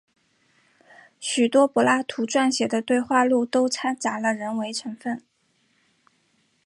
许多柏拉图撰写的对话录都参杂了人为成分。